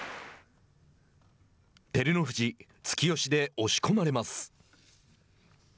照ノ富士突き押しで押し込まれます。